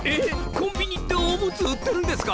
コンビニってオムツ売ってるんですか？